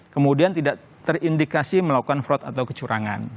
kemudian tidak terindikasi melakukan fraud atau kecurangan